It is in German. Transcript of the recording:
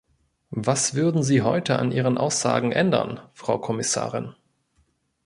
Was würden Sie heute an Ihren Aussagen ändern, Frau Kommissarin?